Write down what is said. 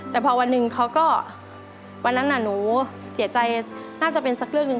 แต่พอวันหนึ่งเขาก็วันนั้นน่ะหนูเสียใจน่าจะเป็นสักเรื่องหนึ่ง